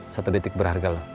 satu detik berharga loh